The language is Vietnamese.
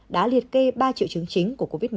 đã liệt kê ba triệu chứng chính của covid một mươi chín